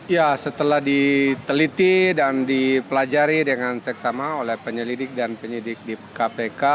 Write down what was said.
ya setelah diteliti dan dipelajari dengan seksama oleh penyelidik dan penyidik di kpk